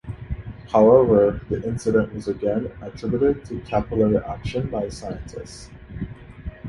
However, the incident was again attributed to capillary action by scientists.